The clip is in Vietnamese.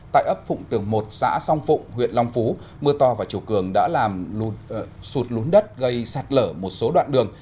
tại ấp phụng tường một xã song phụng huyện long phú mưa to và chiều cường đã làm sụt lún đất gây sạt lở một số đoạn đường